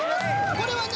これはね